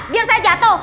biar saya jatuh